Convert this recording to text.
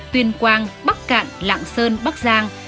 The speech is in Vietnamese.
tuyên quang bắc cạn lạng sơn bắc giang